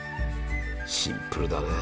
シンプルだね